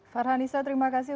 farhan isra terima kasih